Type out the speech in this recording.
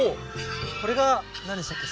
これが何でしたっけ？